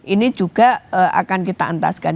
ini juga akan kita entaskan